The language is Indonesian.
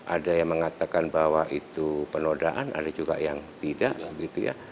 ada yang mengatakan bahwa itu penodaan ada juga yang tidak gitu ya